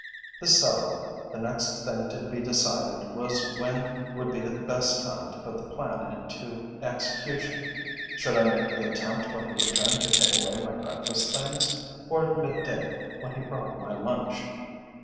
This settled, the next thing to be decided was when would be the best time to put the plan into execution. Should I make the attempt when he returned to take away my breakfast things, or at mid day when he brought my lunch?